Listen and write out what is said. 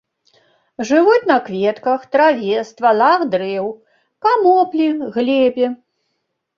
Жывуць ва кветках, траве, ствалах дрэў, камоплі, глебе.